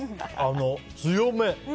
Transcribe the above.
強め。